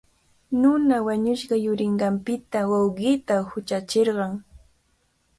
Nuna wañushqa yurinqanpita wawqiita huchachirqan.